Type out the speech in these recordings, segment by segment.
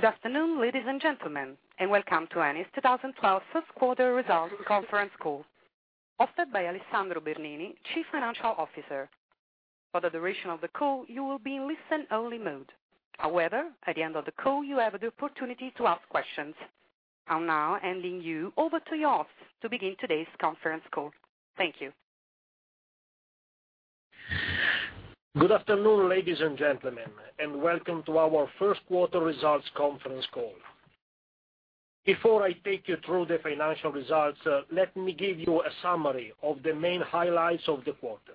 Good afternoon, ladies and gentlemen, and welcome to Eni's 2012 first quarter results conference call, hosted by Alessandro Bernini, Chief Financial Officer. For the duration of the call, you will be in listen only mode. At the end of the call, you have the opportunity to ask questions. I am now handing you over to Joffs to begin today's conference call. Thank you. Good afternoon, ladies and gentlemen, and welcome to our first quarter results conference call. Before I take you through the financial results, let me give you a summary of the main highlights of the quarter.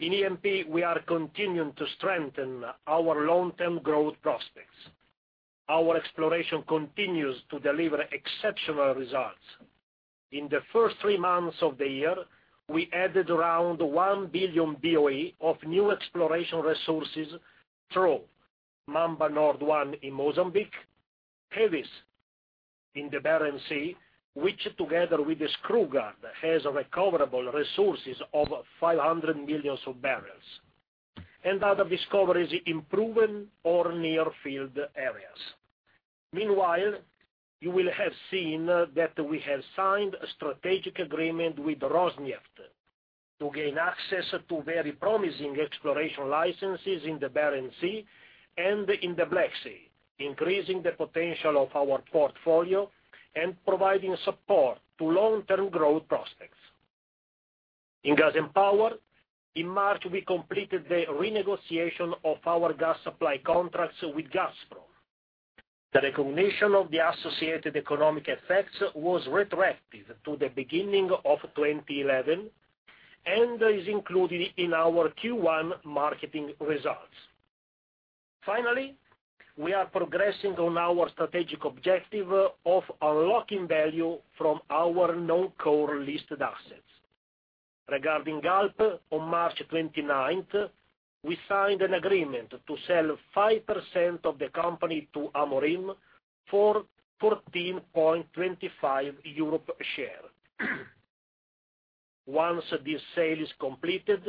In E&P, we are continuing to strengthen our long-term growth prospects. Our exploration continues to deliver exceptional results. In the first three months of the year, we added around 1 billion BOE of new exploration resources through Mamba North 1 in Mozambique, Havis in the Barents Sea, which together with the Skrugard, has recoverable resources of 500 million barrels, and other discoveries in proven or near field areas. Meanwhile, you will have seen that we have signed a strategic agreement with Rosneft to gain access to very promising exploration licenses in the Barents Sea and in the Black Sea, increasing the potential of our portfolio and providing support to long-term growth prospects. In gas and power, in March, we completed the renegotiation of our gas supply contracts with Gazprom. The recognition of the associated economic effects was retroactive to the beginning of 2011, is included in our Q1 marketing results. Finally, we are progressing on our strategic objective of unlocking value from our non-core listed assets. Regarding Galp, on March 29th, we signed an agreement to sell 5% of the company to Amorim for 14.25 euro a share. Once this sale is completed,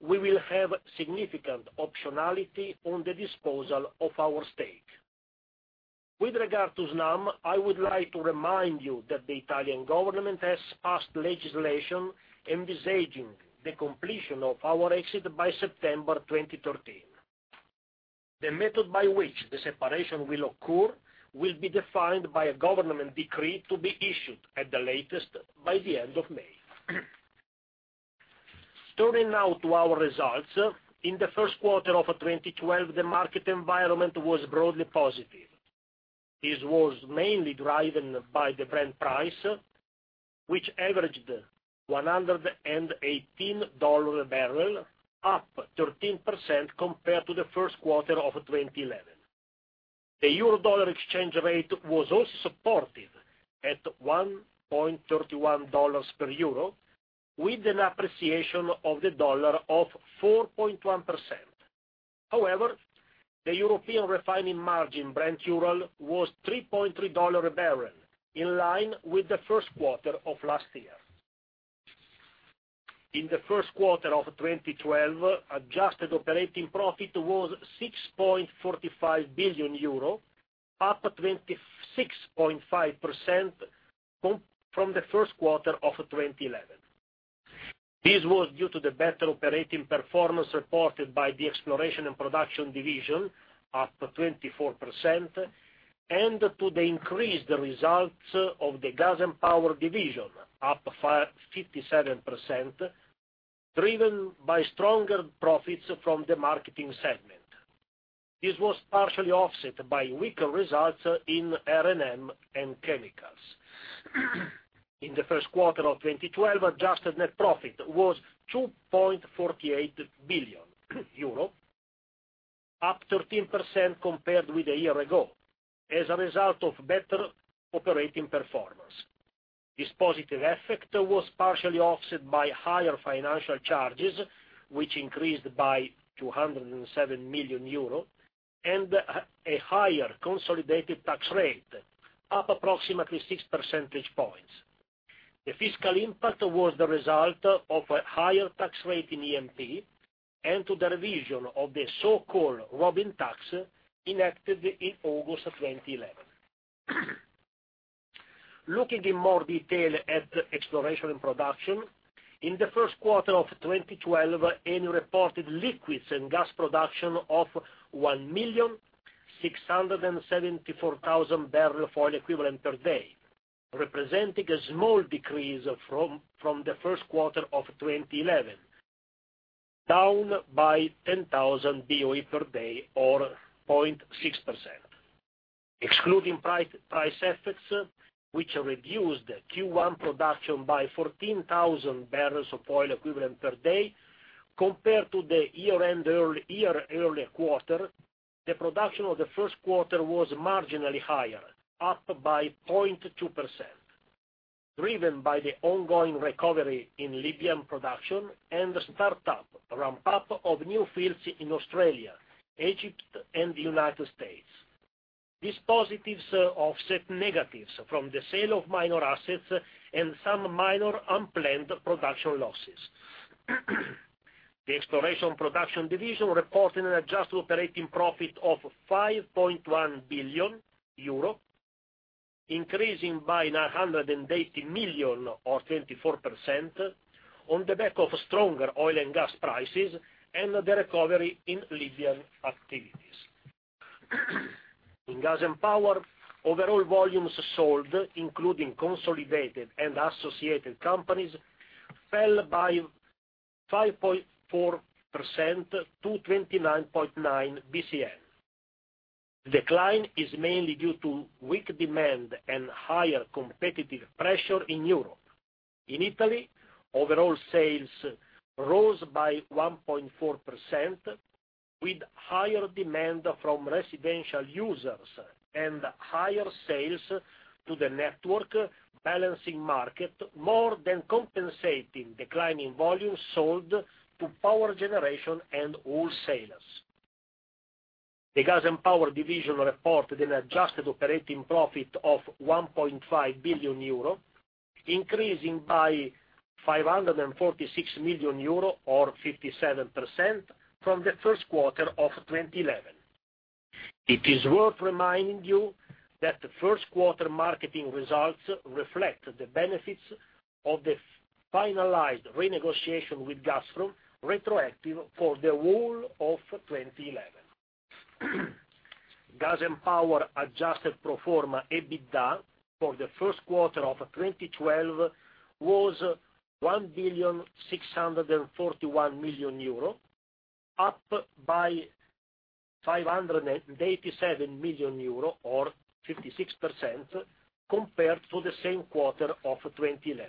we will have significant optionality on the disposal of our stake. With regard to Snam, I would like to remind you that the Italian government has passed legislation envisaging the completion of our exit by September 2013. The method by which the separation will occur will be defined by a government decree to be issued, at the latest, by the end of May. Turning now to our results. In the first quarter of 2012, the market environment was broadly positive. This was mainly driven by the Brent price, which averaged $118 a barrel, up 13% compared to the first quarter of 2011. The euro-dollar exchange rate was also supported at $1.31 per euro, with an appreciation of the dollar of 4.1%. The European refining margin Brent/Urals was $3.30 a barrel, in line with the first quarter of last year. In the first quarter of 2012, adjusted operating profit was 6.45 billion euro, up 26.5% from the first quarter of 2011. This was due to the better operating performance reported by the Exploration & Production Division, up 24%, to the increased results of the gas and power division, up 57%, driven by stronger profits from the marketing segment. This was partially offset by weaker results in R&M and chemicals. In the first quarter of 2012, adjusted net profit was 2.48 billion euro, up 13% compared with a year ago, as a result of better operating performance. This positive effect was partially offset by higher financial charges, which increased by 207 million euro and a higher consolidated tax rate, up approximately six percentage points. The fiscal impact was the result of a higher tax rate in EMP and to the revision of the so-called Robin Hood Tax, enacted in August of 2011. Looking in more detail at exploration and production, in the first quarter of 2012, Eni reported liquids and gas production of 1,674,000 barrels of oil equivalent per day, representing a small decrease from the first quarter of 2011, down by 10,000 BOE per day or 0.6%. Excluding price effects, which reduced Q1 production by 14,000 barrels of oil equivalent per day compared to the year earlier quarter, the production of the first quarter was marginally higher, up by 0.2%, driven by the ongoing recovery in Libyan production and the startup/ramp-up of new fields in Australia, Egypt, and the United States. These positives offset negatives from the sale of minor assets and some minor unplanned production losses. The exploration production division reported an adjusted operating profit of 5.1 billion euro, increasing by 980 million or 24%, on the back of stronger oil and gas prices and the recovery in Libyan activities. In gas and power, overall volumes sold, including consolidated and associated companies, fell by 5.4% to 29.9 BCM. The decline is mainly due to weak demand and higher competitive pressure in Europe. In Italy, overall sales rose by 1.4%, with higher demand from residential users and higher sales to the network balancing market, more than compensating declining volumes sold to power generation and wholesalers. The gas and power division reported an adjusted operating profit of 1.5 billion euro, increasing by 546 million euro or 57%, from the first quarter of 2011. It is worth reminding you that the first quarter marketing results reflect the benefits of the finalized renegotiation withGazprom, retroactive for the whole of 2011. Gas and power adjusted pro forma EBITDA for the first quarter of 2012 was 1,641 million euro, up by 587 million euro or 56%, compared to the same quarter of 2011.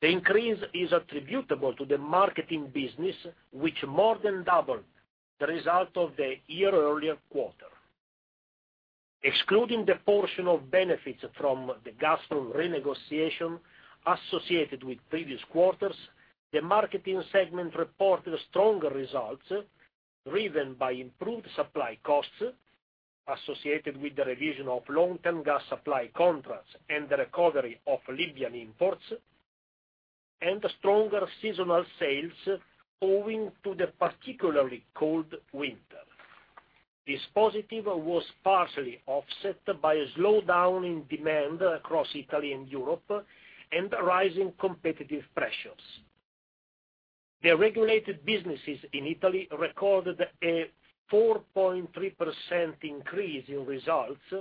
The increase is attributable to the marketing business, which more than doubled the result of the year-earlier quarter. Excluding the portion of benefits from the Gazprom renegotiation associated with previous quarters, the marketing segment reported stronger results driven by improved supply costs, associated with the revision of long-term gas supply contracts and the recovery of Libyan imports, and stronger seasonal sales owing to the particularly cold winter. This positive was partially offset by a slowdown in demand across Italy and Europe and rising competitive pressures. The regulated businesses in Italy recorded a 4.3% increase in results,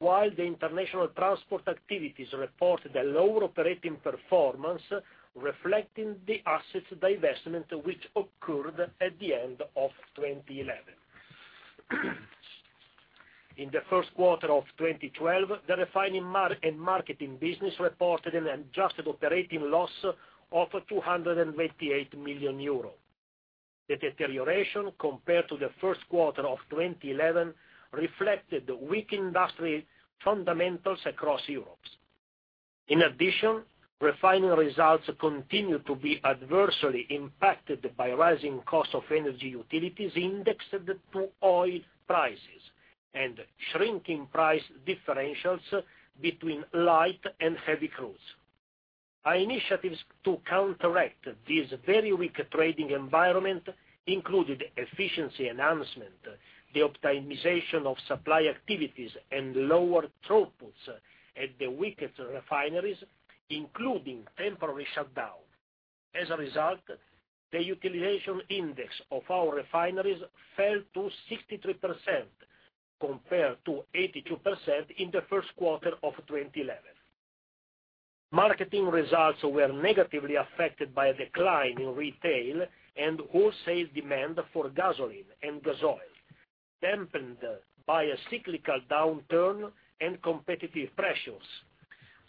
while the international transport activities reported a lower operating performance, reflecting the assets divestment which occurred at the end of 2011. In the first quarter of 2012, the refining and marketing business reported an adjusted operating loss of 228 million euros. The deterioration compared to the first quarter of 2011 reflected weak industry fundamentals across Europe. In addition, refining results continued to be adversely impacted by rising costs of energy utilities indexed to oil prices and shrinking price differentials between light and heavy crudes. Our initiatives to counteract this very weak trading environment included efficiency enhancement, the optimization of supply activities and lower throughputs at the weakest refineries, including temporary shutdown. As a result, the utilization index of our refineries fell to 63% compared to 82% in the first quarter of 2011. Marketing results were negatively affected by a decline in retail and wholesale demand for gasoline and gasoil, dampened by a cyclical downturn and competitive pressures,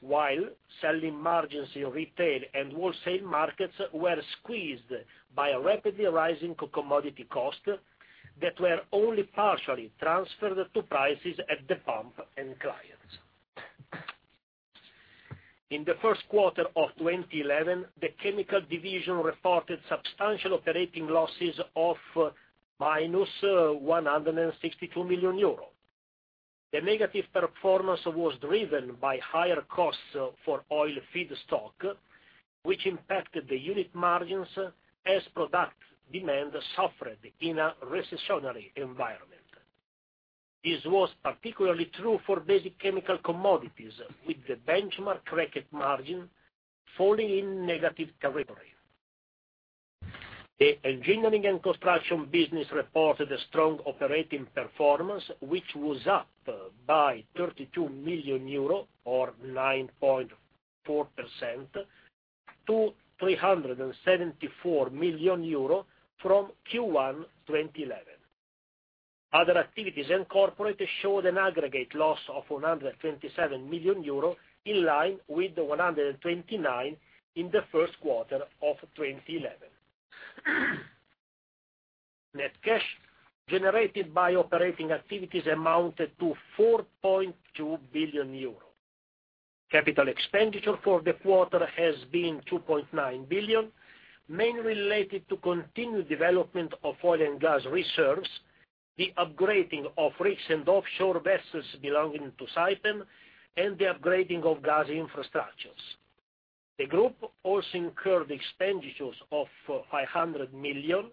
while selling margins in retail and wholesale markets were squeezed by a rapidly rising commodity cost that were only partially transferred to prices at the pump and clients. In the first quarter of 2011, the chemical division reported substantial operating losses of minus 162 million euro. The negative performance was driven by higher costs for oil feedstock, which impacted the unit margins as product demand suffered in a recessionary environment. This was particularly true for basic chemical commodities, with the benchmark cracker margin falling in negative territory. The engineering and construction business reported a strong operating performance, which was up by 32 million euro, or 9.4%, to 374 million euro from Q1 2011. Other activities and corporate showed an aggregate loss of 127 million euro, in line with the 129 in the first quarter of 2011. Net cash generated by operating activities amounted to 4.2 billion euros. Capital expenditure for the quarter has been 2.9 billion, mainly related to continued development of oil and gas reserves, the upgrading of rigs and offshore vessels belonging to Saipem, and the upgrading of gas infrastructures. The group also incurred expenditures of 500 million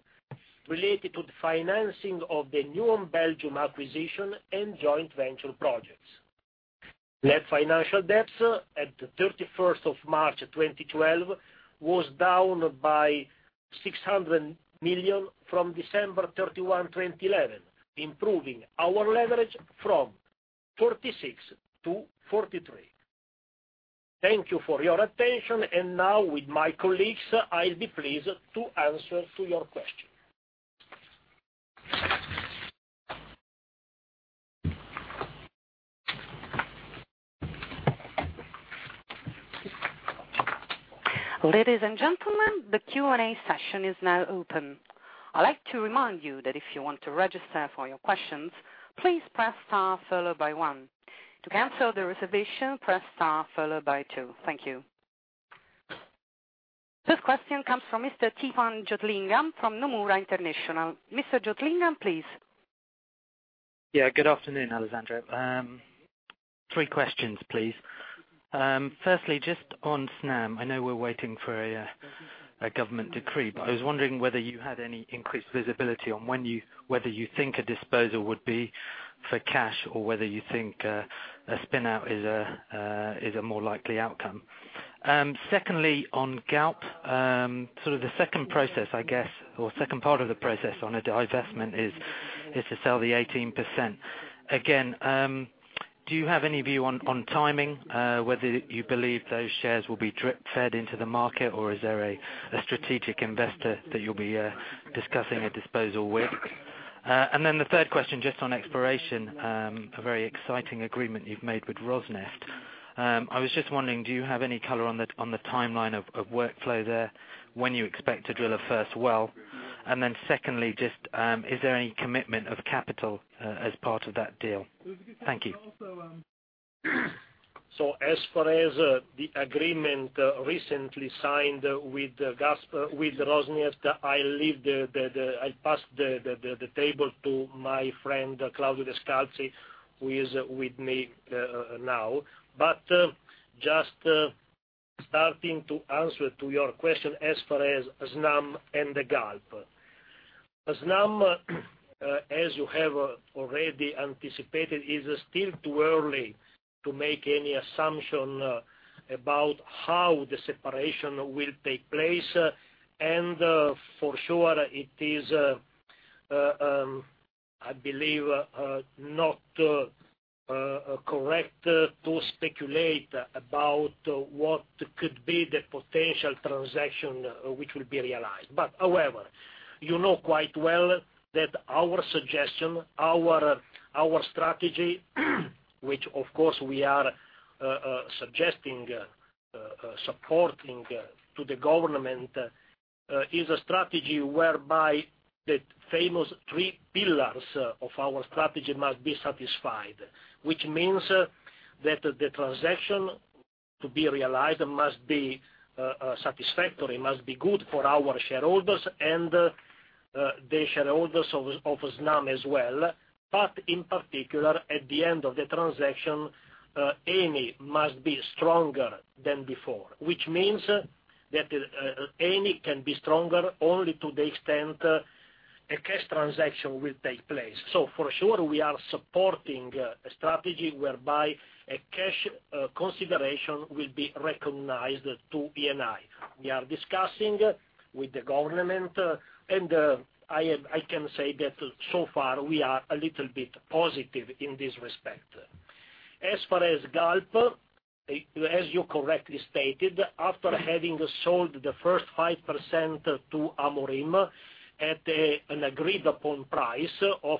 related to the financing of the new Belgium acquisition and joint venture projects. Net financial debts at the 31st of March 2012 was down by 600 million from December 31, 2011, improving our leverage from 46% to 43%. Thank you for your attention. Now with my colleagues, I'll be pleased to answer to your questions. Ladies and gentlemen, the Q&A session is now open. I'd like to remind you that if you want to register for your questions, please press star, followed by one. To cancel the reservation, press star, followed by two. Thank you. First question comes from Mr. Theepan Jothilingam from Nomura International. Mr. Jothilingam, please. Yeah. Good afternoon, Alessandro. Three questions, please. Firstly, just on Snam. I know we're waiting for a government decree, but I was wondering whether you had any increased visibility on whether you think a disposal would be for cash or whether you think a spin-out is a more likely outcome. Secondly, on Galp, the second process, I guess, or second part of the process on a divestment is to sell the 18%. Again, do you have any view on timing, whether you believe those shares will be drip-fed into the market, or is there a strategic investor that you'll be discussing a disposal with? The third question, just on exploration, a very exciting agreement you've made with Rosneft. I was just wondering, do you have any color on the timeline of workflow there, when you expect to drill a first well? Secondly, just is there any commitment of capital as part of that deal? Thank you. As far as the agreement recently signed with Rosneft, I'll pass the table to my friend, Claudio Descalzi, who is with me now. Just starting to answer to your question as far as Snam and the Galp. Snam, as you have already anticipated, is still too early to make any assumption about how the separation will take place. For sure, it is, I believe, not correct to speculate about what could be the potential transaction which will be realized. However, you know quite well that our suggestion, our strategy, which of course we are suggesting, supporting to the government, is a strategy whereby the famous three pillars of our strategy must be satisfied. Which means that the transaction to be realized must be satisfactory, must be good for our shareholders and the shareholders of Snam as well. In particular, at the end of the transaction, Eni must be stronger than before. Which means that Eni can be stronger only to the extent a cash transaction will take place. For sure, we are supporting a strategy whereby a cash consideration will be recognized to Eni. We are discussing with the government, and I can say that so far we are a little bit positive in this respect. As far as Galp, as you correctly stated, after having sold the first 5% to Amorim at an agreed-upon price of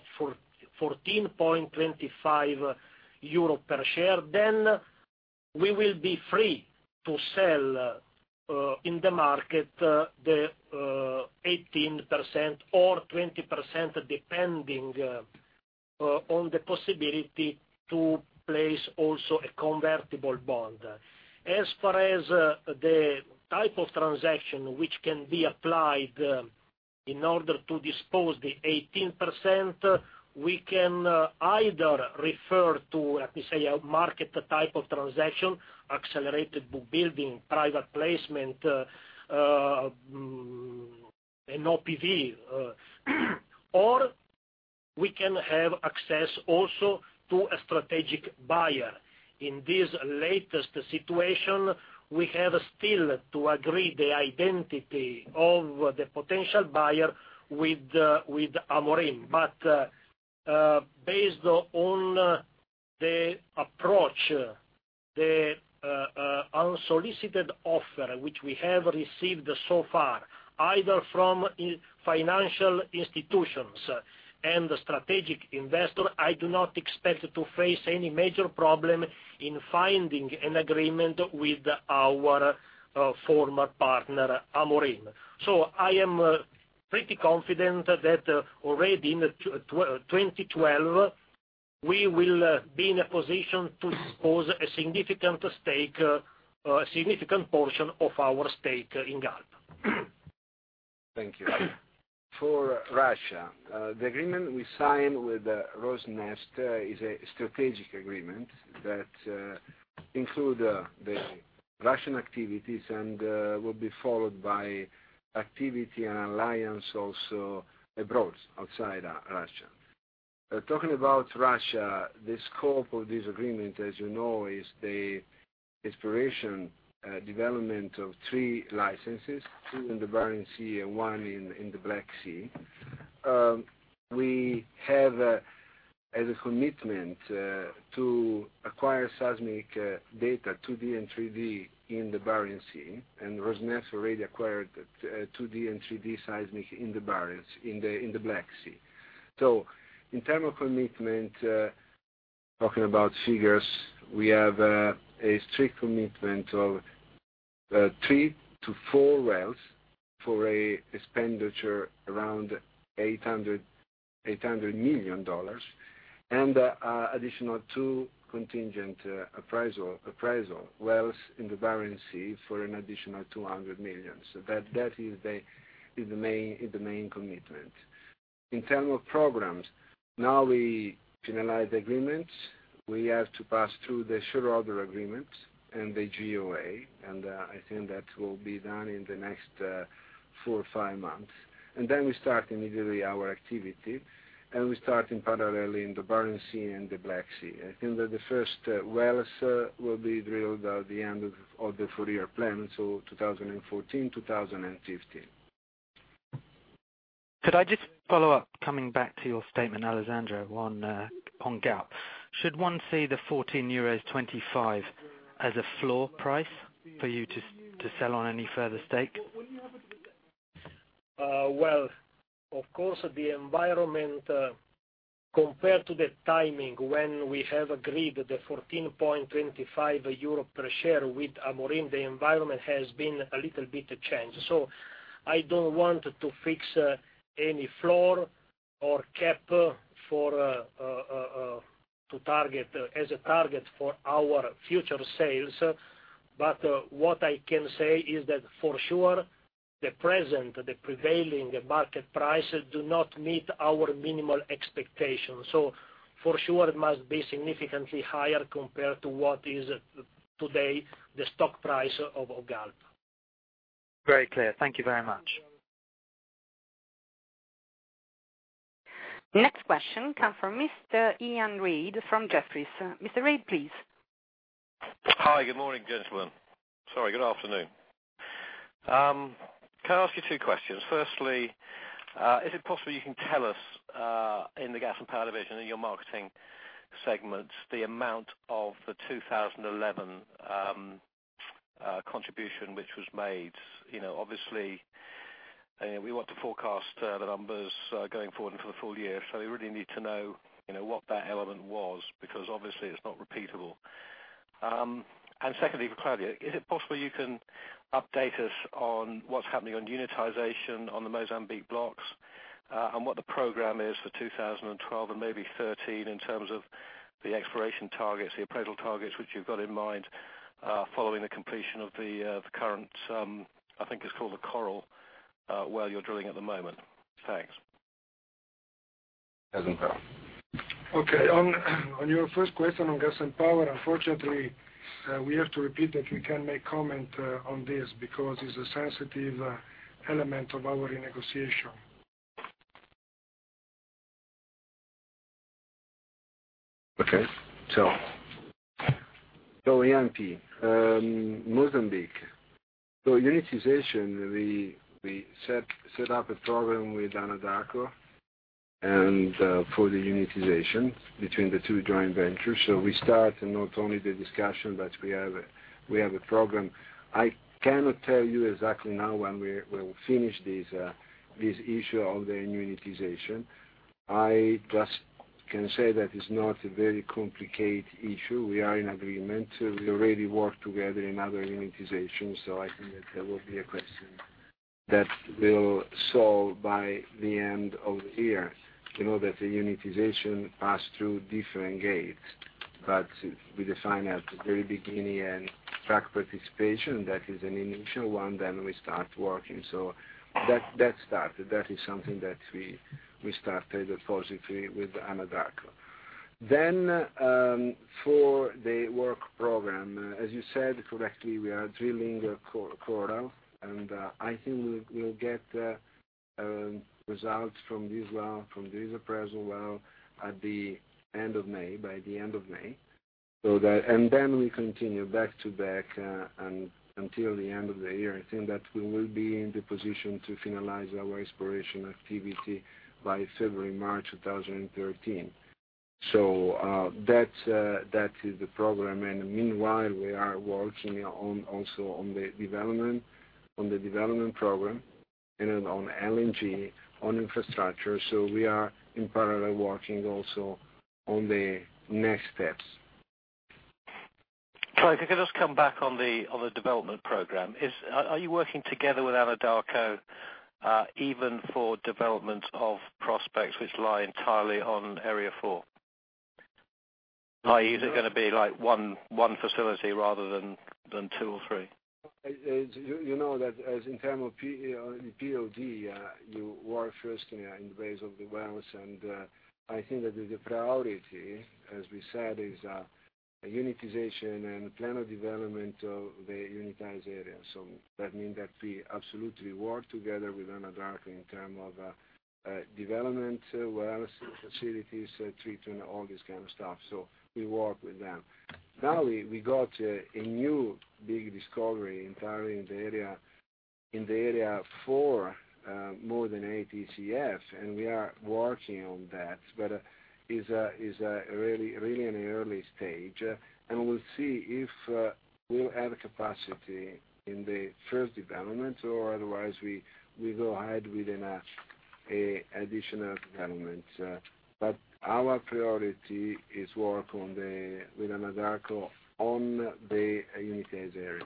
14.25 euro per share, we will be free to sell in the market the 18% or 20%, depending on the possibility to place also a convertible bond. As far as the type of transaction which can be applied in order to dispose the 18%, we can either refer to, let me say, a market type of transaction, accelerated book building, private placement, an OPV, or we can have access also to a strategic buyer. In this latest situation, we have still to agree the identity of the potential buyer with Amorim. Based on the approach, the unsolicited offer which we have received so far, either from financial institutions and the strategic investor, I do not expect to face any major problem in finding an agreement with our former partner, Amorim. I am pretty confident that already in 2012 we will be in a position to dispose a significant portion of our stake in Galp. Thank you. For Russia, the agreement we signed with Rosneft is a strategic agreement that includes the Russian activities and will be followed by activity and alliance also abroad, outside Russia. Talking about Russia, the scope of this agreement, as you know, is the exploration development of 3 licenses, 2 in the Barents Sea and 1 in the Black Sea. We have, as a commitment to acquire seismic data, 2D and 3D in the Barents Sea, and Rosneft already acquired 2D and 3D seismic in the Black Sea. In terms of commitment, talking about figures, we have a strict commitment of 3 to 4 wells for an expenditure around $800 million. Additional 2 contingent appraisal wells in the Barents Sea for an additional $200 million. That is the main commitment. In terms of programs, now we finalize the agreements. We have to pass through the shareholder agreements and the JOA, and I think that will be done in the next 4 or 5 months. Then we start immediately our activity. We start in parallel in the Barents Sea and the Black Sea. I think that the first wells will be drilled at the end of the 4-year plan, so 2014, 2015. Could I just follow up, coming back to your statement, Alessandro, on Galp. Should one see the €14.25 as a floor price for you to sell on any further stake? Of course, the environment, compared to the timing when we have agreed the 14.25 euro per share with Amorim, the environment has been a little bit changed. I don't want to fix any floor or cap as a target for our future sales. What I can say is that for sure, the present, the prevailing market price, do not meet our minimal expectations. For sure, it must be significantly higher compared to what is today the stock price of Galp. Very clear. Thank you very much. Next question come from Mr. Iain S. Reid from Jefferies. Mr. Reid, please. Hi, good morning, gentlemen. Sorry, good afternoon. Can I ask you two questions? Firstly, is it possible you can tell us, in the gas and power division, in your marketing segments, the amount of the 2011 contribution which was made? We want to forecast the numbers going forward and for the full year, so we really need to know what that element was, because obviously it's not repeatable. Secondly, for Claudio, is it possible you can update us on what's happening on unitization on the Mozambique blocks, and what the program is for 2012 and maybe 2013 in terms of the exploration targets, the appraisal targets, which you've got in mind, following the completion of the current, I think it's called the Coral, well you're drilling at the moment. Thanks. Alessandro. Okay. On your first question on gas and power, unfortunately, we have to repeat that we can't make comment on this because it's a sensitive element of our renegotiation. Okay. Ian P., Mozambique. Unitization, we set up a program with Anadarko and for the unitization between the two joint ventures. We start not only the discussion, but we have a program. I cannot tell you exactly now when we will finish this issue of the unitization. I just can say that it's not a very complicated issue. We are in agreement. We already work together in other unitization, I think that will be a question that will solve by the end of the year. You know that the unitization pass through different gates. We define at the very beginning and track participation. That is an initial one. We start working. That started. That is something that we started positively with Anadarko. For the work program, as you said correctly, we are drilling Coral, and I think we'll get results from this appraisal well by the end of May. We continue back to back until the end of the year. I think that we will be in the position to finalize our exploration activity by February, March 2013. That is the program, and meanwhile, we are working also on the development program and on LNG, on infrastructure. We are in parallel working also on the next steps Claudio, could I just come back on the development program? Are you working together with Anadarko, even for development of prospects which lie entirely on Area 4? Is it going to be one facility rather than two or three? You know that as in term of POD, you work first in the base of the wells, and I think that the priority, as we said, is unitization and plan of development of the unitized area. That means that we absolutely work together with Anadarko in term of development, wells, facilities, treatment, all this kind of stuff. We work with them. Now we got a new big discovery entirely in the Area 4, more than 80 Tcf, and we are working on that. Is really in an early stage, and we'll see if we'll have capacity in the first development or otherwise we go ahead with an additional development. Our priority is work with Anadarko on the unitized area.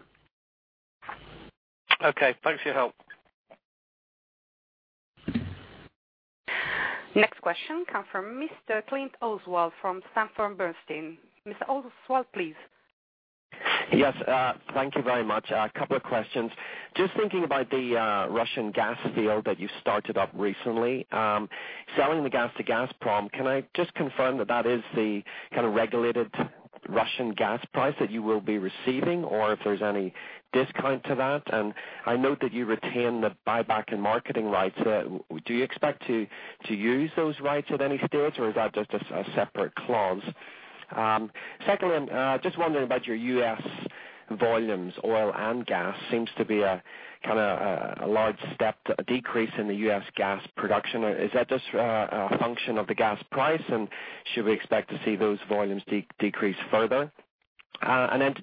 Okay, thanks for your help. Next question come from Mr. Oswald Clint from Sanford Bernstein. Mr. Oswald, please. Yes, thank you very much. A couple of questions. Just thinking about the Russian gas field that you started up recently, selling the gas to Gazprom. Can I just confirm that that is the kind of regulated Russian gas price that you will be receiving, or if there's any discount to that? I note that you retain the buyback and marketing rights. Do you expect to use those rights at any stage, or is that just a separate clause? Secondly, just wondering about your U.S. volumes, oil and gas. Seems to be a large step, a decrease in the U.S. gas production. Is that just a function of the gas price, and should we expect to see those volumes decrease further?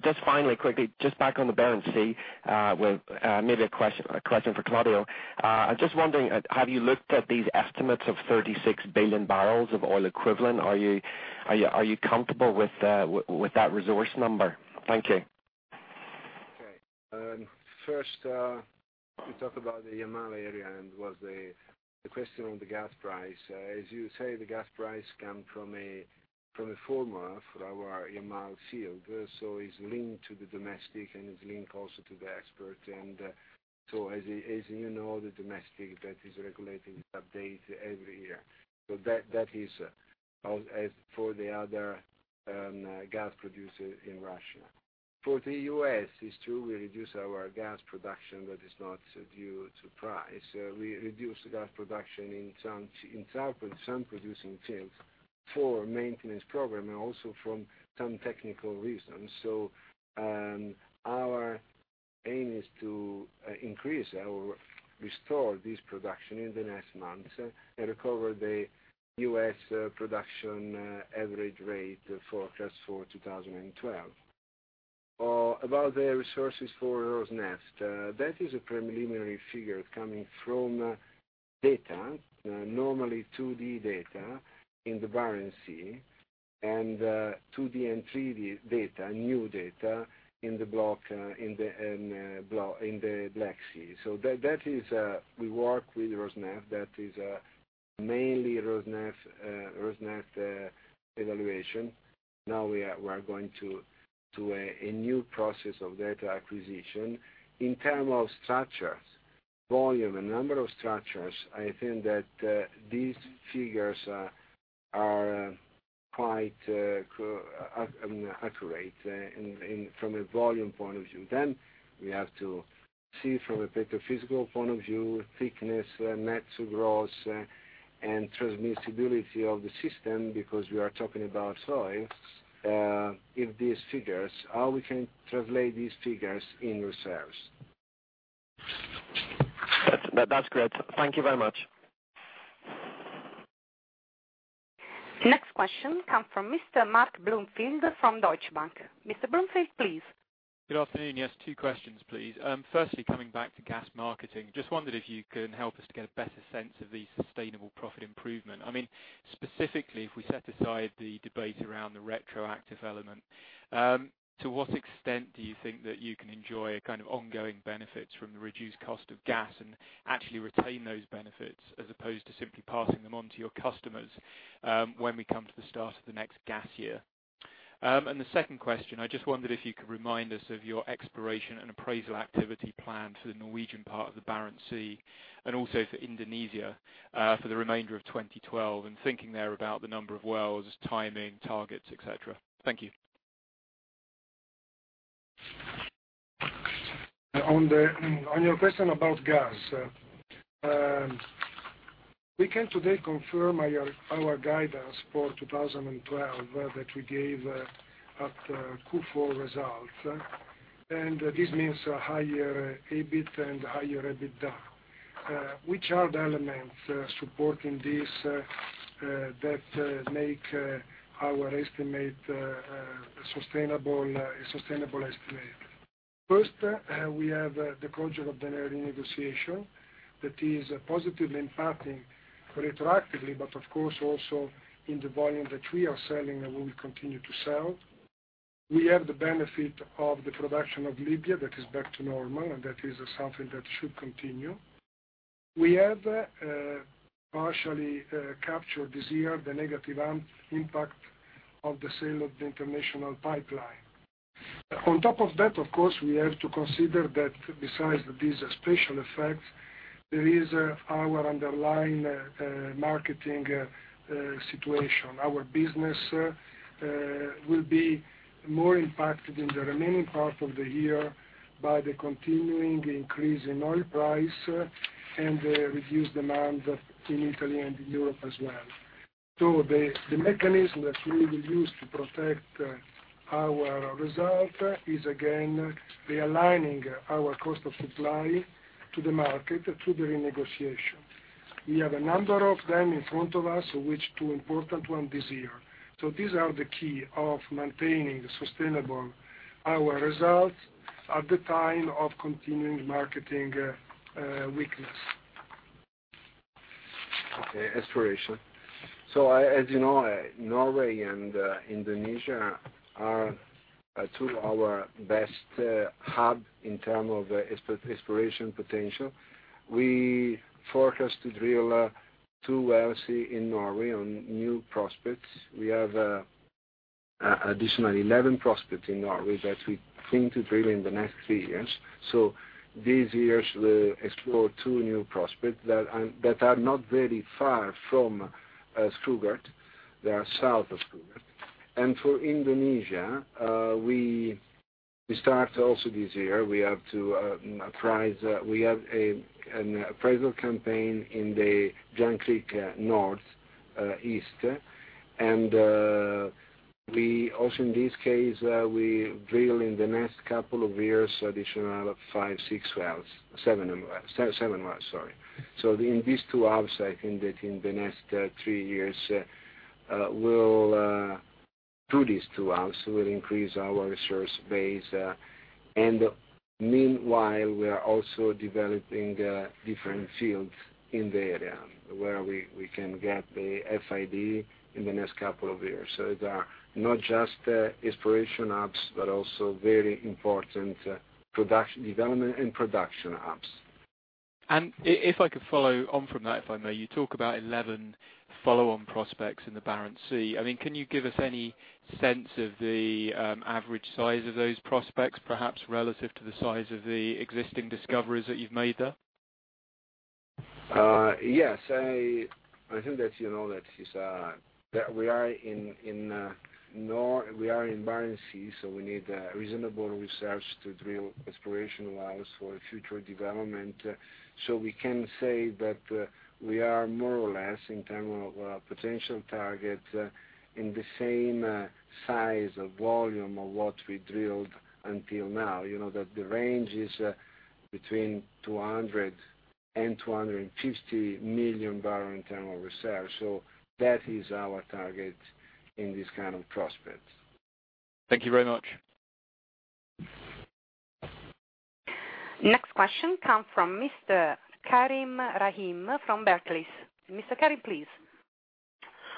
Just finally, quickly, just back on the Barents Sea, maybe a question for Claudio. Just wondering, have you looked at these estimates of 36 billion barrels of oil equivalent? Are you comfortable with that resource number? Thank you. Okay. First, you talk about the Yamal area, was the question on the gas price. As you say, the gas price come from a formula for our Yamal field. It's linked to the domestic, and it's linked also to the export. As you know, the domestic that is regulated update every year. That is as for the other gas producer in Russia. For the U.S., it's true, we reduce our gas production, but it's not due to price. We reduce gas production in some producing fields for maintenance program, and also from some technical reasons. Our aim is to increase or restore this production in the next months and recover the U.S. production average rate forecast for 2012. About the resources for Rosneft, that is a preliminary figure coming from data, normally 2D data in the Barents Sea, and 2D and 3D data, new data, in the Black Sea. We work with Rosneft, that is mainly Rosneft evaluation. Now we are going to a new process of data acquisition. In terms of structures, volume, and number of structures, I think that these figures are quite accurate from a volume point of view. We have to see from a petrophysical point of view, thickness, net to gross, and transmissibility of the system, because we are talking about oil, if these figures, how we can translate these figures in reserves. That's great. Thank you very much. Next question comes from Mr. Mark Bloomfield from Deutsche Bank. Mr. Bloomfield, please. Good afternoon. Yes, two questions, please. Firstly, coming back to gas marketing, just wondered if you can help us to get a better sense of the sustainable profit improvement. Specifically, if we set aside the debate around the retroactive element, to what extent do you think that you can enjoy ongoing benefits from the reduced cost of gas and actually retain those benefits as opposed to simply passing them on to your customers, when we come to the start of the next gas year? The second question, I just wondered if you could remind us of your exploration and appraisal activity plan for the Norwegian part of the Barents Sea and also for Indonesia, for the remainder of 2012, and thinking there about the number of wells, timing, targets, et cetera. Thank you. On your question about gas. We can today confirm our guidance for 2012 that we gave at Q4 results. This means a higher EBIT and higher EBITDA. Which are the elements supporting this that make our estimate a sustainable estimate? First, we have the contract of the Eni negotiation, that is positively impacting retroactively, but of course also in the volume that we are selling and we will continue to sell. We have the benefit of the production of Libya that is back to normal, and that is something that should continue. We have partially captured this year the negative impact of the sale of the international pipeline. On top of that, of course, we have to consider that besides these special effects, there is our underlying marketing situation. Our business will be more impacted in the remaining part of the year by the continuing increase in oil price and the reduced demand in Italy and in Europe as well. The mechanism that we will use to protect our result is, again, realigning our cost of supply to the market through the renegotiation. We have a number of them in front of us, with two important ones this year. These are the key of maintaining sustainable results at the time of continuing marketing weakness. Exploration. As you know, Norway and Indonesia are two of our best hub in term of exploration potential. We forecast to drill two wells in Norway on new prospects. We have additional 11 prospects in Norway that we think to drill in the next three years. This year, we'll explore two new prospects that are not very far from Skrugard. They are south of Skrugard. For Indonesia, we start also this year. We have an appraisal campaign in the North East. Also in this case, we drill in the next couple of years, additional five, six wells, seven wells, sorry. In these two upsides, I think that in the next three years, through these two upsides, we'll increase our resource base. Meanwhile, we are also developing different fields in the area where we can get the FID in the next couple of years. They are not just exploration ups, but also very important development and production ups. If I could follow on from that, if I may. You talk about 11 follow-on prospects in the Barents Sea. Can you give us any sense of the average size of those prospects, perhaps relative to the size of the existing discoveries that you've made there? Yes. I think that you know that we are in Barents Sea, we need reasonable reserves to drill exploration wells for future development. We can say that we are more or less, in term of potential targets, in the same size of volume of what we drilled until now. You know that the range is between 200 million and 250 million barrel internal reserve. That is our target in this kind of prospects. Thank you very much. Next question come from Mr. Karim Rahim from Barclays. Mr. Karim, please.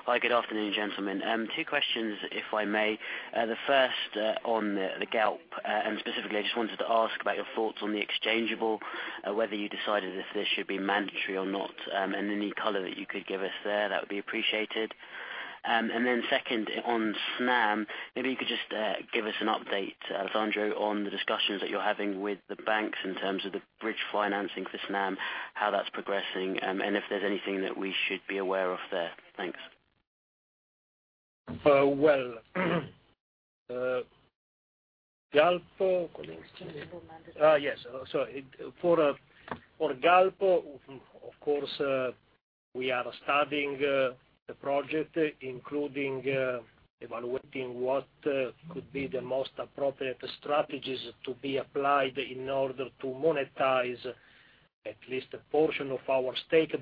Hi. Good afternoon, gentlemen. Two questions, if I may. The first on the Galp, and specifically, I just wanted to ask about your thoughts on the exchangeable, whether you decided if this should be mandatory or not, and any color that you could give us there, that would be appreciated. Second, on Snam, maybe you could just give us an update, Alessandro, on the discussions that you're having with the banks in terms of the bridge financing for Snam, how that's progressing, and if there's anything that we should be aware of there. Thanks. Well, Galp? Exchangeable mandate. Yes. Sorry. For Galp, of course, we are studying the project, including evaluating what could be the most appropriate strategies to be applied in order to monetize at least a portion of our stake.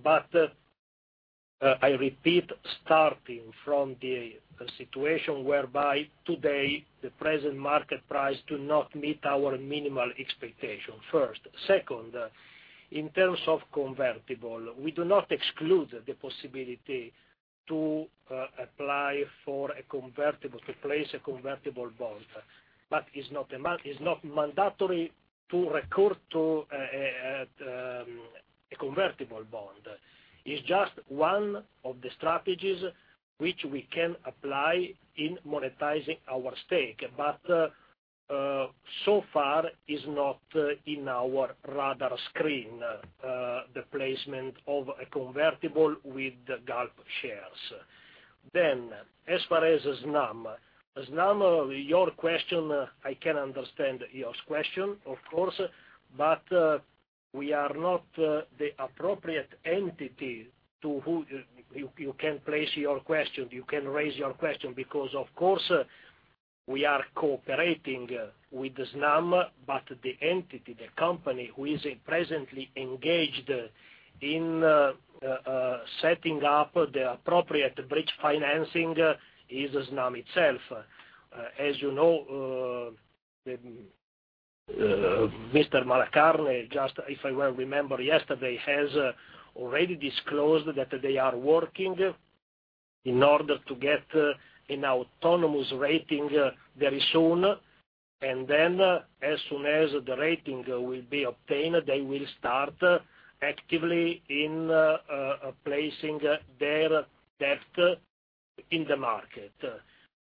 I repeat, starting from the situation whereby today the present market price do not meet our minimal expectation, first. Second, in terms of convertible, we do not exclude the possibility to apply for a convertible, to place a convertible bond. It's not mandatory to record to a convertible bond. It's just one of the strategies which we can apply in monetizing our stake. So far is not in our radar screen, the placement of a convertible with the Galp shares. As far as Snam. Snam, your question, I can understand your question, of course. We are not the appropriate entity to who you can place your question, you can raise your question, because, of course, we are cooperating with Snam. The entity, the company who is presently engaged in setting up the appropriate bridge financing is Snam itself. As you know. Mr. Malacarne, just if I well remember yesterday, has already disclosed that they are working in order to get an autonomous rating very soon. As soon as the rating will be obtained, they will start actively in placing their debt in the market.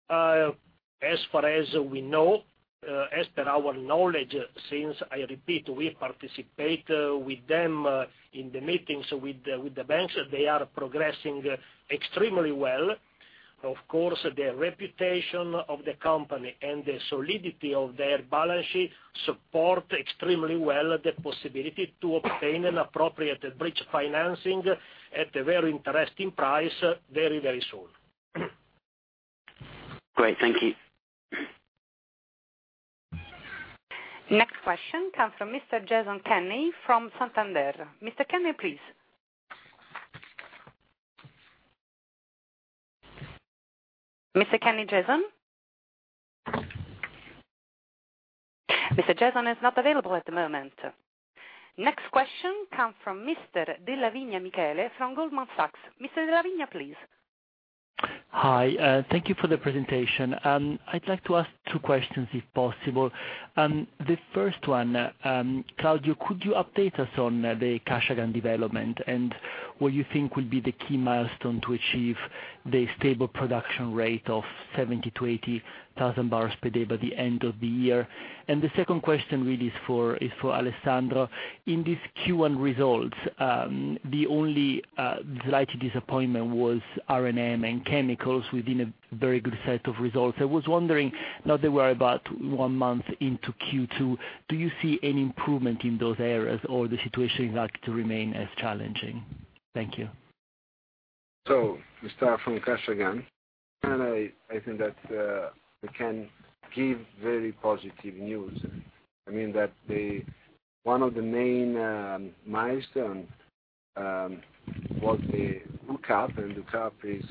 As far as we know, as per our knowledge, since I repeat, we participate with them in the meetings with the banks, they are progressing extremely well. Of course, the reputation of the company and the solidity of their balance sheet support extremely well the possibility to obtain an appropriate bridge financing at a very interesting price very, very soon. Great. Thank you. Next question comes from Mr. Jason Kenney from Santander. Mr. Kenney, please. Mr. Kenney, Jason? Mr. Jason is not available at the moment. Next question comes from Mr. Michele Della Vigna from Goldman Sachs. Mr. Della Vigna, please. Hi, thank you for the presentation. I'd like to ask two questions, if possible. The first one, Claudio, could you update us on the Kashagan development and what you think would be the key milestone to achieve the stable production rate of 70,000-80,000 barrels per day by the end of the year? The second question really is for Alessandro. In this Q1 results, the only slight disappointment was R&M and chemicals within a very good set of results. I was wondering, now that we're about one month into Q2, do you see any improvement in those areas or the situation is likely to remain as challenging? Thank you. We start from Kashagan, and I think that we can give very positive news. I mean that one of the main milestones was the hookup, and the hookup is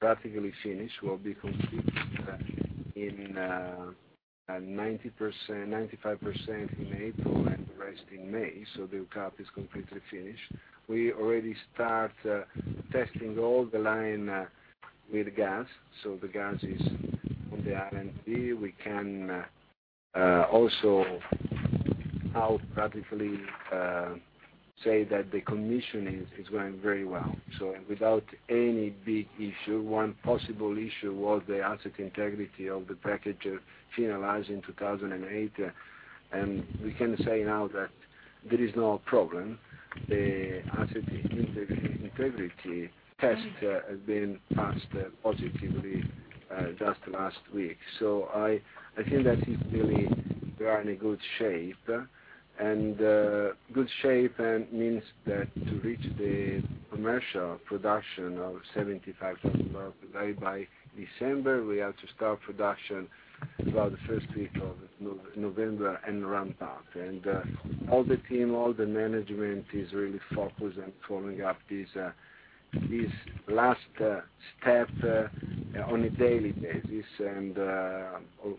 practically finished, will be completed in 95% in April and the rest in May. The hookup is completely finished. We already start testing all the line with gas. The gas is on the R&D. We can also now practically say that the commissioning is going very well. Without any big issue. One possible issue was the asset integrity of the package finalized in 2008. We can say now that there is no problem. The asset integrity test has been passed positively just last week. I think that it's really we are in a good shape. good shape means that to reach the commercial production of 75,000 barrels per day by December, we have to start production about the first week of November and ramp up. All the team, all the management is really focused on following up this last step on a daily basis.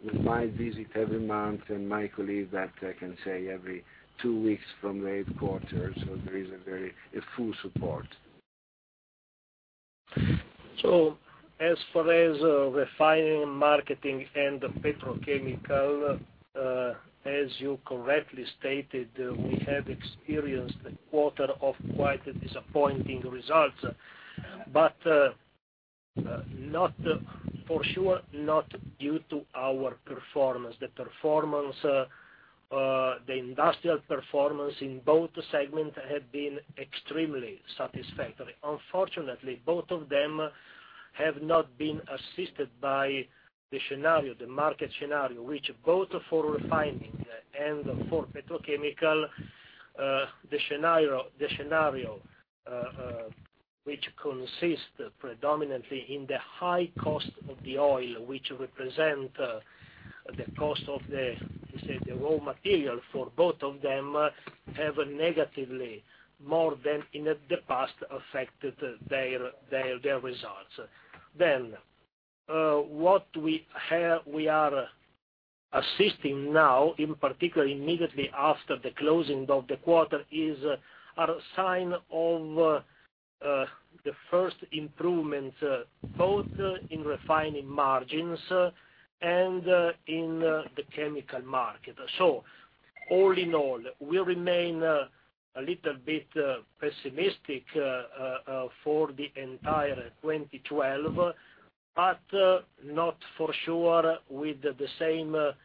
With my visit every month, and my colleague that can say every two weeks from the headquarters. There is a full support. As far as refining, marketing, and petrochemical, as you correctly stated, we have experienced a quarter of quite disappointing results, but for sure, not due to our performance. The industrial performance in both segments have been extremely satisfactory. Unfortunately, both of them have not been assisted by the market scenario, which both for refining and for petrochemical, the scenario, which consists predominantly in the high cost of the oil, which represent the cost of the raw material for both of them, have negatively, more than in the past, affected their results. What we are assisting now, in particular immediately after the closing of the quarter, is a sign of the first improvement both in refining margins and in the chemical market. All in all, we remain a little bit pessimistic for the entire 2012, but not for sure in the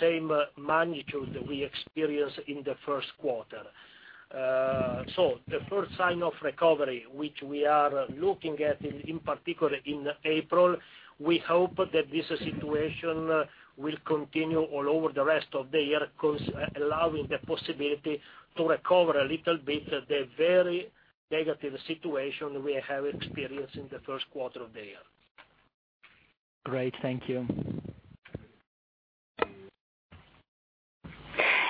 same magnitude we experienced in the first quarter. The first sign of recovery, which we are looking at in particular in April, we hope that this situation will continue all over the rest of the year, allowing the possibility to recover a little bit the very negative situation we have experienced in the first quarter of the year. Great. Thank you.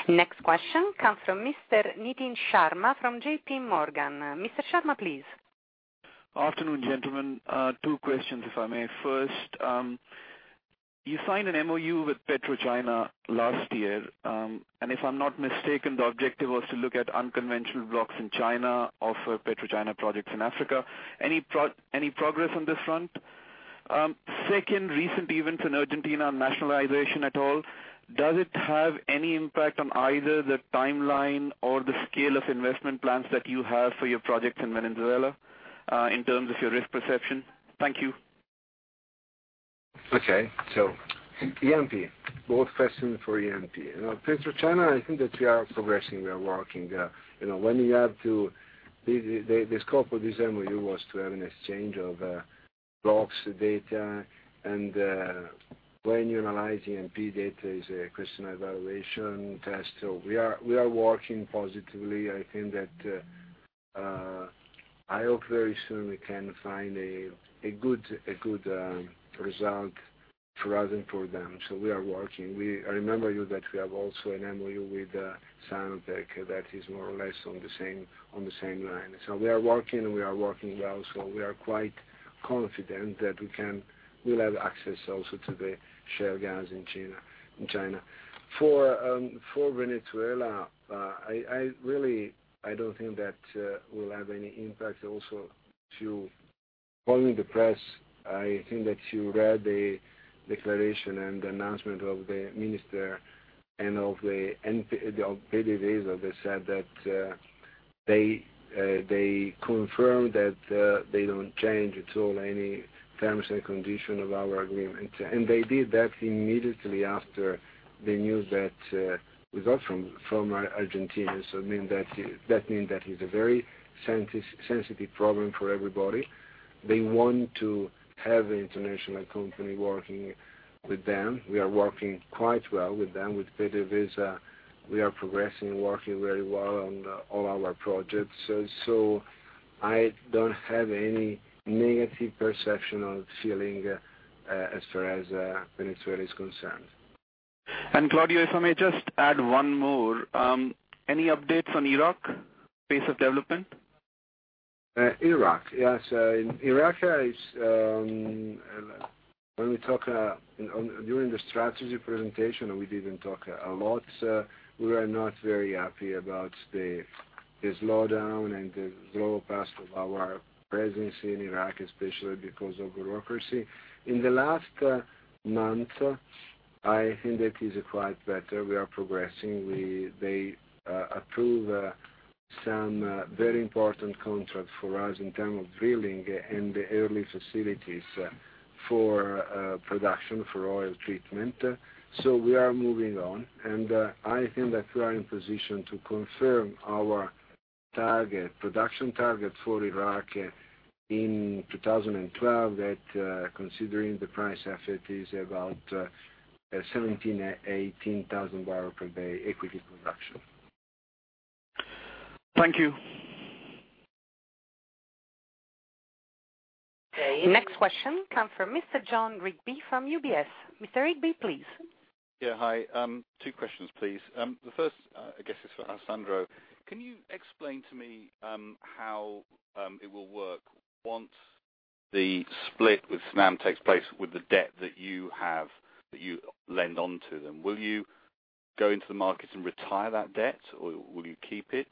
Next question comes from Mr. Nitin Sharma from JP Morgan. Mr. Sharma, please. Afternoon, gentlemen. Two questions, if I may. First, you signed an MoU with PetroChina last year, and if I'm not mistaken, the objective was to look at unconventional blocks in China, also PetroChina projects in Africa. Any progress on this front? Second, recent events in Argentina on nationalization at all, does it have any impact on either the timeline or the scale of investment plans that you have for your projects in Venezuela, in terms of your risk perception? Thank you. Okay. E&P, both questions for E&P. PetroChina, I think that we are progressing, we are working. The scope of this MoU was to have an exchange of blocks data, and when you're analyzing E&P data, it's a question of evaluation test. We are working positively. I hope very soon we can find a good result for us and for them. We are working. I remind you that we have also an MoU with CNOOC that is more or less on the same line. We are working, and we are working well, we are quite confident that we'll have access also to the shale gas in China. For Venezuela, I don't think that will have any impact also to following the press. I think that you read the declaration and the announcement of the minister and of PDVSA. They said that they confirmed that they don't change at all any terms and condition of our agreement. They did that immediately after they knew that result from Argentina. That means that is a very sensitive problem for everybody. They want to have international company working with them. We are working quite well with them, with PDVSA. We are progressing, working very well on all our projects. I don't have any negative perception or feeling as far as Venezuela is concerned. Claudio, if I may just add one more. Any updates on Iraq? Pace of development? Iraq. Yes. Iraq, during the strategy presentation, we didn't talk a lot. We were not very happy about the slowdown and the slow pace of our presence in Iraq, especially because of bureaucracy. In the last month, I think that is quite better. We are progressing. They approve some very important contracts for us in terms of drilling and early facilities for production, for oil treatment. We are moving on, and I think that we are in position to confirm our production target for Iraq in 2012, that considering the price effect is about 17,000, 18,000 barrel per day equity production. Thank you. Okay. Next question come from Mr. Jon Rigby from UBS. Mr. Rigby, please. Yeah. Hi. Two questions, please. The first, I guess, is for Alessandro. Can you explain to me how it will work once the split with Snam takes place with the debt that you have, that you lend onto them? Will you go into the market and retire that debt, or will you keep it?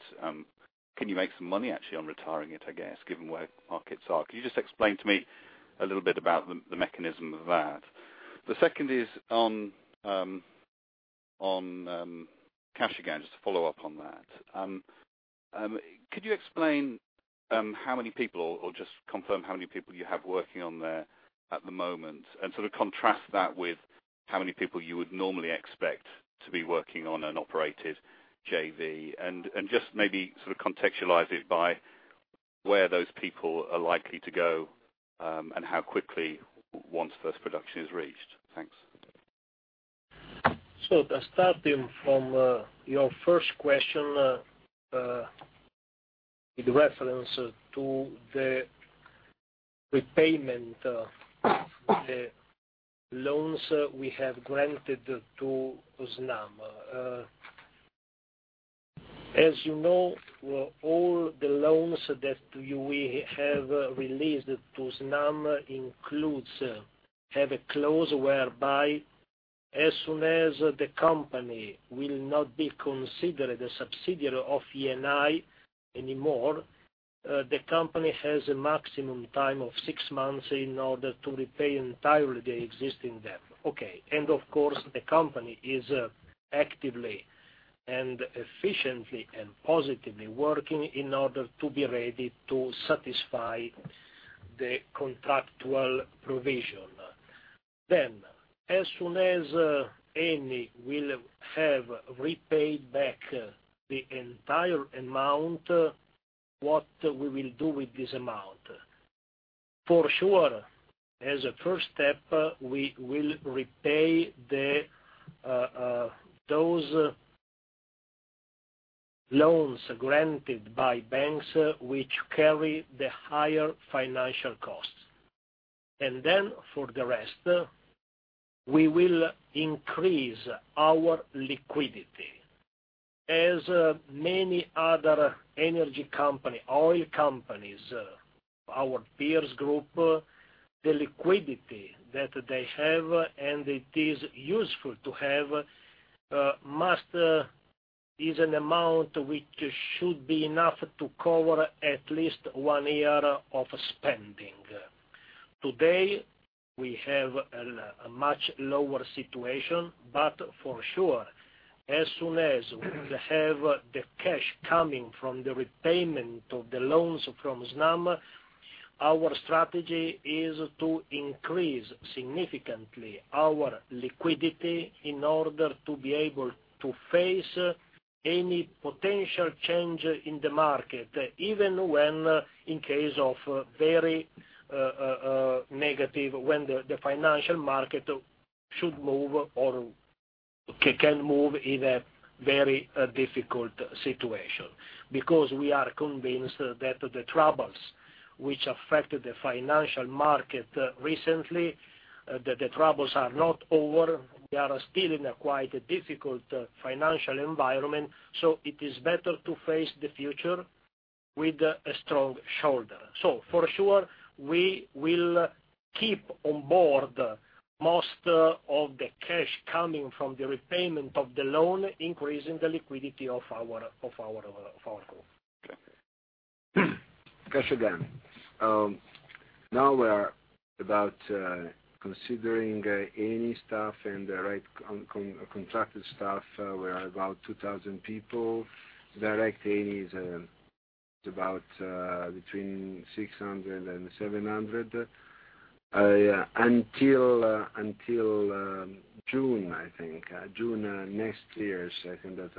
Can you make some money actually on retiring it, I guess, given where markets are? Can you just explain to me a little bit about the mechanism of that? The second is on cash, again, just to follow up on that. Could you explain how many people, or just confirm how many people you have working on there at the moment, and sort of contrast that with how many people you would normally expect to be working on an operated JV? Just maybe sort of contextualize it by where those people are likely to go, and how quickly once first production is reached. Thanks. Starting from your first question, with reference to the repayment of the loans we have granted to Snam. As you know, all the loans that we have released to Snam have a clause whereby as soon as the company will not be considered a subsidiary of Eni anymore, the company has a maximum time of six months in order to repay entirely the existing debt. Okay. Of course, the company is actively and efficiently and positively working in order to be ready to satisfy the contractual provision. As soon as Eni will have repaid back the entire amount, what we will do with this amount? For sure, as a first step, we will repay those loans granted by banks which carry the higher financial costs. For the rest, we will increase our liquidity As many other energy company, oil companies, our peer group, the liquidity that they have, and it is useful to have, is an amount which should be enough to cover at least one year of spending. Today, we have a much lower situation, but for sure, as soon as we have the cash coming from the repayment of the loans from Snam, our strategy is to increase significantly our liquidity in order to be able to face any potential change in the market, even when in case of very negative, when the financial market should move or can move in a very difficult situation. Because we are convinced that the troubles which affected the financial market recently, the troubles are not over. We are still in a quite difficult financial environment. It is better to face the future with a strong shoulder. We will keep on board most of the cash coming from the repayment of the loan, increasing the liquidity of our group. Kashagan. Now we are about considering Eni staff and the right contracted staff. We are about 2,000 people. Direct Eni is about between 600 and 700. Until June, I think, June next year, I think that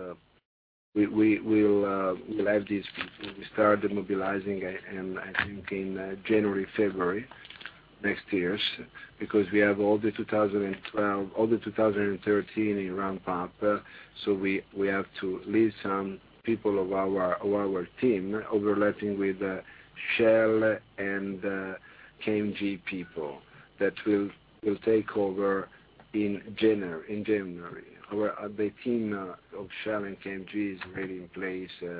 we'll have this. We start demobilizing, I think, in January, February next year, because we have all the 2013 in ramp-up, we have to leave some people of our team overlapping with Shell and KMG people that will take over in January. The team of Shell and KMG is already in place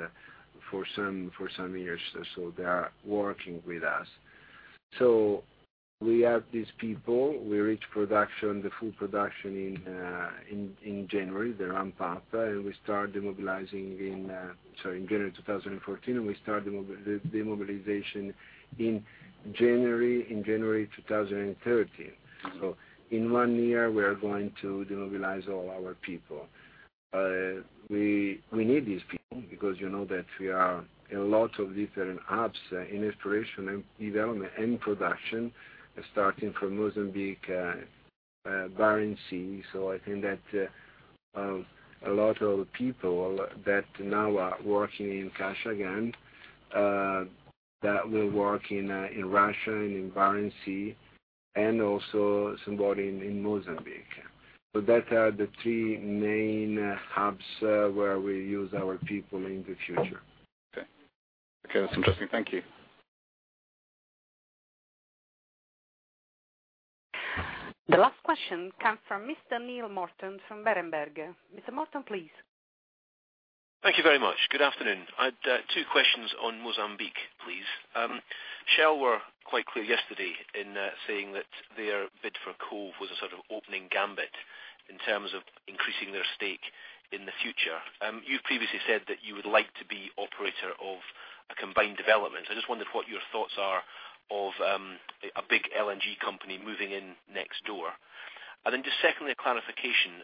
for some years, so they are working with us. We have these people. We reach production, the full production in January, the ramp-up, and we start demobilizing in, sorry, in January 2014, and we start the demobilization in January 2013. In one year, we are going to demobilize all our people. We need these people because you know that we are in a lot of different hubs in exploration and development and production, starting from Mozambique, Barents Sea. I think that a lot of people that now are working in Kashagan, that will work in Russia and in Barents Sea, and also somebody in Mozambique. Those are the three main hubs where we use our people in the future. Okay. That's interesting. Thank you. The last question comes from Mr. Neil Morton from Berenberg. Mr. Morton, please. Thank you very much. Good afternoon. I had two questions on Mozambique, please. Shell were quite clear yesterday in saying that their bid for Cove was a sort of opening gambit in terms of increasing their stake in the future. You've previously said that you would like to be operator of a combined development. I just wondered what your thoughts are of a big LNG company moving in next door. Just secondly, a clarification.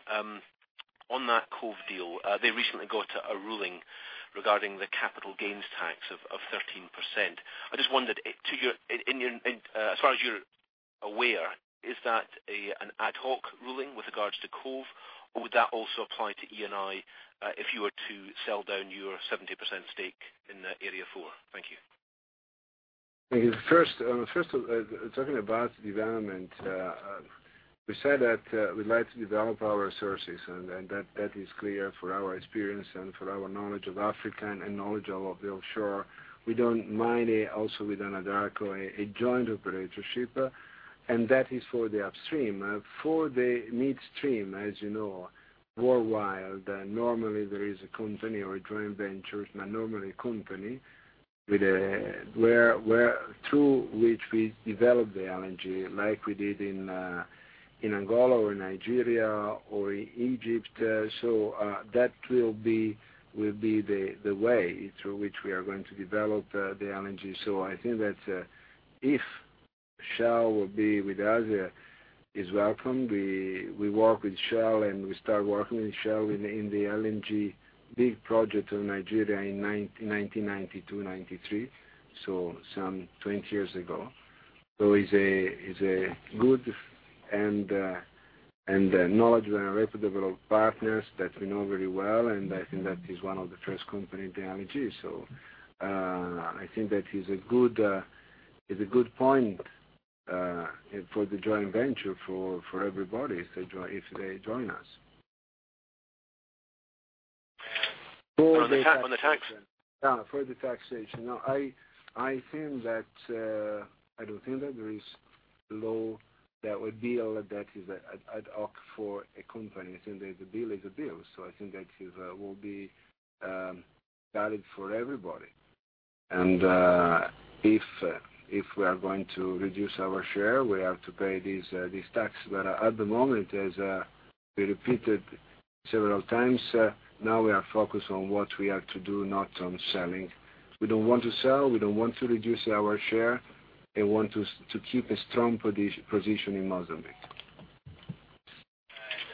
On that Cove deal, they recently got a ruling regarding the capital gains tax of 13%. I just wondered, as far as you're aware, is that an ad hoc ruling with regards to Cove, or would that also apply to Eni if you were to sell down your 70% stake in Area 4? Thank you. Thank you. First, talking about development, we said that we'd like to develop our sources, and that is clear for our experience and for our knowledge of Africa and knowledge of the offshore. We don't mind also with Anadarko, a joint operatorship, and that is for the upstream. For the midstream, as you know, worldwide, normally there is a company or a joint venture, but normally a company, through which we develop the LNG, like we did in Angola or Nigeria or Egypt. I think that if Shell will be with us, is welcome. We work with Shell, and we start working with Shell in the LNG big project of Nigeria in 1992, '93, some 20 years ago. Is a good and knowledgeable and reputable partners that we know very well, and I think that is one of the first company in the LNG. I think that is a good point for the joint venture for everybody if they join us. On the tax then? For the taxation. I don't think that there is law that would be, or that is ad hoc for a company. I think that the deal is a deal. I think that will be valid for everybody. If we are going to reduce our share, we have to pay this tax. At the moment, as we repeated several times, now we are focused on what we have to do, not on selling. We don't want to sell, we don't want to reduce our share, and want to keep a strong position in Mozambique.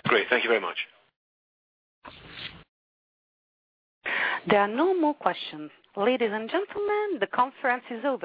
Great. Thank you very much. There are no more questions. Ladies and gentlemen, the conference is over.